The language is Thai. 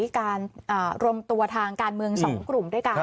การรวมตัวทางการเมือง๒กลุ่มด้วยกัน